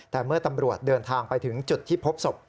แต่เมื่อตำรวจเดินทางไปถึงจุดที่พบศพ